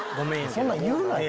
そんなん言うなよ。